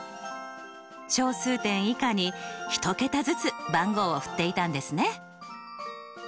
小数点以下に１桁ずつ番号を振っていたんですね。